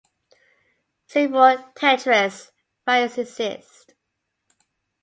Several "Tetris" variants exist.